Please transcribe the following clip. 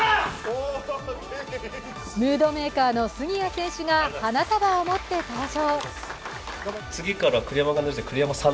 ムードメーカーの杉谷選手が花束を持って登場。